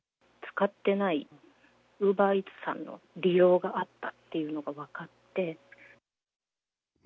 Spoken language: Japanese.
使ってないウーバーイーツさんの利用があったっていうのが分かって。